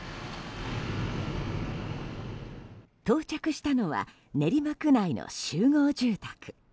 到着したのは練馬区内の集合住宅。